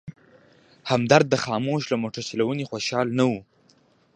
همدرد د خاموش له موټر چلونې خوشحاله نه و.